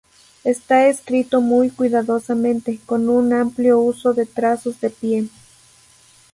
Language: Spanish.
Está escrito muy cuidadosamente, con un amplio uso de trazos de pie.